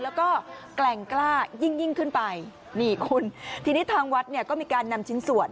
แล้วก็แกร่งกล้ายิ่งขึ้นไปนี่คุณทีนี้ทางวัดเนี่ยก็มีการนำชิ้นส่วน